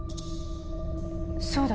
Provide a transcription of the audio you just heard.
そうだ。